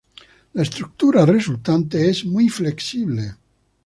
La estructura resultante es muy flexible.